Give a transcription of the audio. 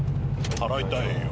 払いたいよ。